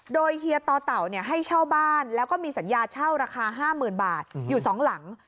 โดยเฮียต่อเต่าให้เช่าบ้านแล้วก็มีสัญญาเช่าราคา๕๐๐๐บาทอยู่๒หลัง